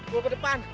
gua ke depan